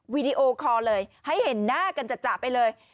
วีดีโอคอร์เลยให้เห็นหน้ากันจัดไปเลย